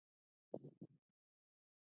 دا له سولې او ډیموکراسۍ سره اړیکه لري.